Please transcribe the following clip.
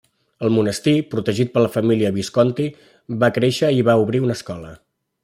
El monestir, protegit per la família Visconti, va créixer i va obrir una escola.